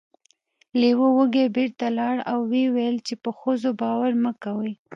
لیوه وږی بیرته لاړ او و یې ویل چې په ښځو باور مه کوئ.